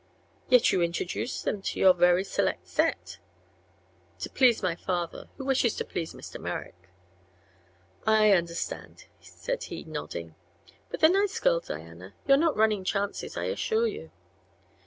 "Yet you introduce them to your very select set?" "To please my father, who wishes to please Mr. Merrick." "I understand," said he, nodding. "But they're nice girls, Diana. You're not running chances, I assure you."